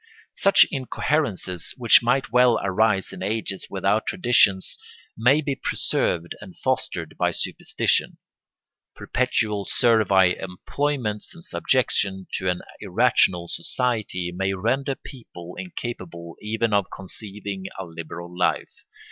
Such incoherences, which might well arise in ages without traditions, may be preserved and fostered by superstition. Perpetual servile employments and subjection to an irrational society may render people incapable even of conceiving a liberal life.